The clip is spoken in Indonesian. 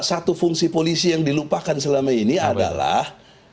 satu fungsi polisi yang dilupakan selama ini adalah